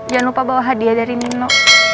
jangan lupa bawa hadiah dari nino